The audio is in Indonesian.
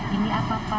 jadi ada yang dengar